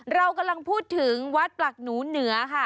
เรากำลังพูดถึงวัดปลักหนูเหนือค่ะ